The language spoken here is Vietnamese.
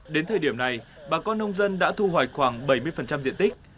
đến thời điểm này bà con nông dân đã thu hoạch khoảng bảy mươi diện tích